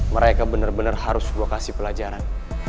mereka bener bener harus gue kasih pelajaran